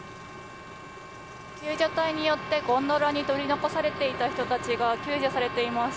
救助隊によってゴンドラに取り残された人たちが救助されています。